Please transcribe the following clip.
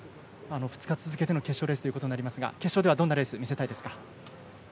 ２日続けての決勝レースということになりますが決勝ではどんなレースを見せたいですか？